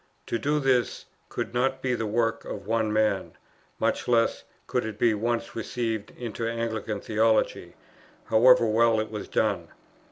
To do this could not be the work of one man; much less, could it be at once received into Anglican theology, however well it was done.